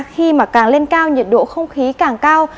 khi mà càng lên cao nhiệt độ không khí càng cao